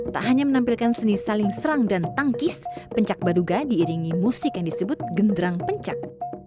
tak hanya menampilkan seni saling serang dan tangkis pencak baduga diiringi musik yang disebut genderang pencak